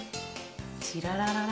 チララララ。